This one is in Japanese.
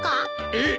えっ？